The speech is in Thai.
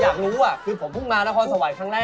อยากรู้คือผมพวงมาธรรพน์สวัสดิ์ครั้งแรก